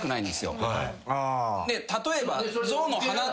例えば。